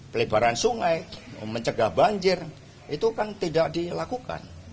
pelebaran sungai mencegah banjir itu kan tidak dilakukan